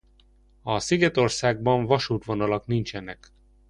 A szigetországban vasútvonalak nincsenek.